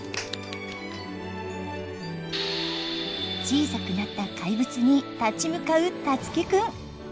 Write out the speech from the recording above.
小さくなったかいぶつに立ち向かう樹生くん。